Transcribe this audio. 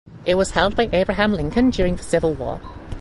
It was held by Abraham Lincoln during the Civil War.